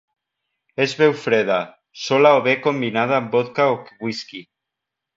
Es beu freda, sola o bé combinada amb vodka o whisky.